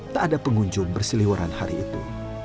tak ada pengunjung berseliwaran hari itu